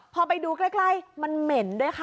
พอไปดูใกล้มันเหม็นด้วยค่ะ